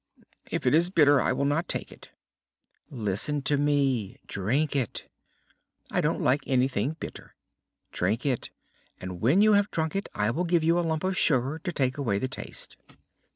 "If it is bitter, I will not take it." "Listen to me: drink it." "I don't like anything bitter." "Drink it, and when you have drunk it I will give you a lump of sugar to take away the taste."